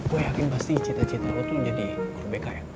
gue yakin pasti cita cita lo tuh jadi merdeka ya